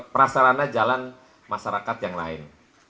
prasarana jalan masyarakat yang lain